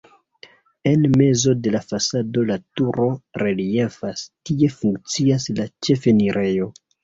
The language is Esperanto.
En mezo de la fasado la turo reliefas, tie funkcias la ĉefenirejo.